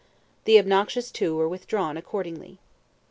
The obnoxious two were withdrawn accordingly.